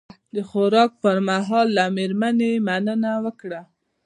د خوراک پر مهال له میرمنې مننه وکړه.